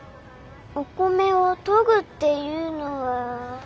「お米をとぐ」っていうのは。